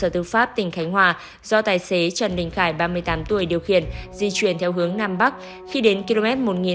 trần đình khải ba mươi tám tuổi điều khiển di chuyển theo hướng nam bắc khi đến km một nghìn hai trăm bốn mươi chín năm trăm linh